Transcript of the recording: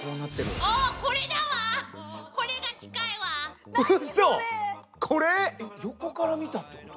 えっ横から見たってこと？